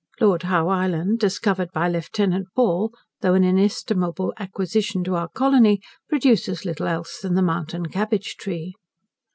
Lord Howe Island, discovered by Lieut. Ball, though an inestimable acquisition to our colony, produces little else than the mountain cabbage tree.